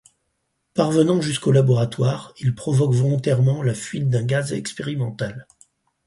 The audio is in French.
Parvenant jusqu'au laboratoire, il provoque volontairement la fuite d'un gaz expérimental.